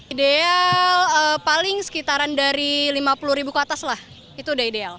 ideal paling sekitaran dari lima puluh ribu ke atas lah itu udah ideal